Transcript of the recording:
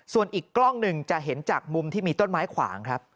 ส่วนอีกกล้องหนึ่งจะเห็นจากมุมที่มีต้นไม้ขวางครับ